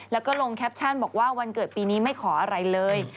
แล้วก็ลงแคปชั่นบอกว่าวันเกิดปีนี้ไม่ขออะไรเลย